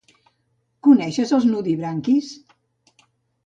Coneixes els nudibranquis?